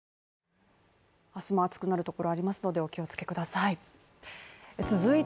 明日も暑くなるところありますのでお気をつけください。